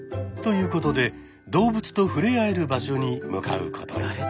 ということで動物と触れ合える場所に向かうことに。